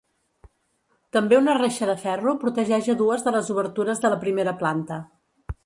També una reixa de ferro protegeix a dues de les obertures de la primera planta.